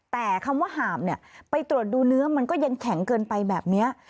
แต่คำว่าหาบเนี่ยไปตรวจดูเนื้อมันก็ยังแข็งเกินไปแบบนี้